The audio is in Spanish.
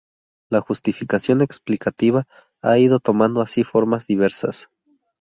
La justificación explicativa ha ido tomando así formas diversas.